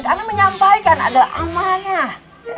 karena menyampaikan adalah amanah